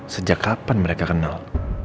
sejak kapan mereka kenal